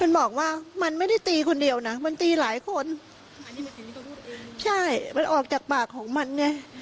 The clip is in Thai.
ไม่มากว่ามันไม่ได้ตีคนเดียวนะมันตีหลายคนใช่ไปออกจากปากของมันแหงคนมาก